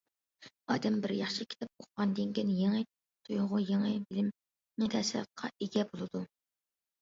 ئادەم بىر ياخشى كىتاب ئوقۇغاندىن كېيىن، يېڭى تۇيغۇ، يېڭى بىلىم، يېڭى تەسىراتقا ئىگە بولىدۇ.